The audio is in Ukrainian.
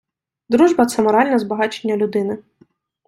Дружба — це моральне збагачення людини.